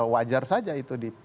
wajar saja itu